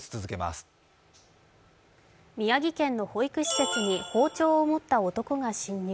宮城県の保育施設に包丁を持った男が侵入。